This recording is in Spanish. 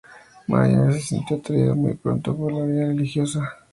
Mariana se sintió atraída muy pronto por la vida religiosa.